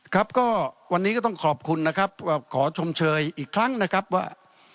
ครับก็วันนี้ก็ต้องขอบคุณนะครับขอชมเชยอีกครั้งนะครับว่า